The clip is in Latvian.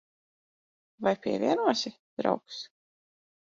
Vai pievienosi, draugs?